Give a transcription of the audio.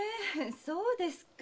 そうですか。